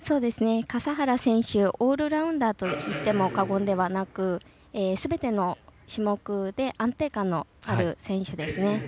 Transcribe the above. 笠原選手オールラウンダーといっても過言ではなく、すべての種目で安定感のある選手ですね。